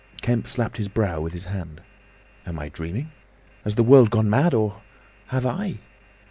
Kemp slapped his brow with his hand. "Am I dreaming? Has the world gone mad—or have I?"